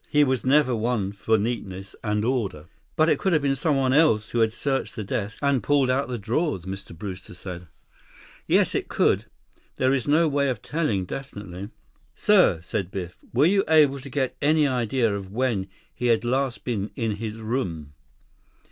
He was never one for neatness and order." "But it could have been someone else who had searched the desk, and pulled out the drawers," Mr. Brewster said. 28 "Yes, it could. There was no way of telling definitely." "Sir," Biff said. "Were you able to get any idea of when he had last been in his room?"